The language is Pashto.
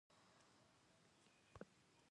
ښايي هغه د خپل سخت ښوونکي څخه ویره ولري،